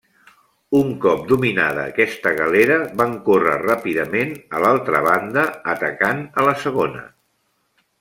Un cop dominada aquesta galera, van córrer ràpidament a l'altra banda, atacant a la segona.